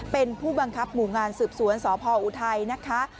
เป็นผู้บังคับหมู่งานสืบสวนสพออุทัยนะคะ